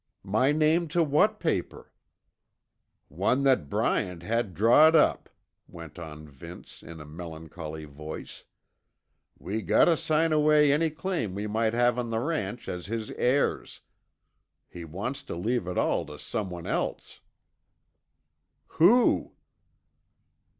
"My name to what paper?" "One that Bryant had drawed up," went on Vince in a melancholy voice. "We gotta sign away any claim we might have on the ranch as his heirs. He wants tuh leave it all tuh someone else." "Who?"